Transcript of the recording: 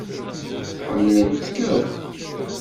Ḥemmlen-t akk.